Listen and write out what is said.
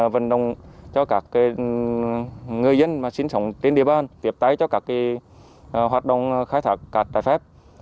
vận động cho các người dân sinh sống trên địa bàn tiếp tay cho các hoạt động khai thác cát trái phép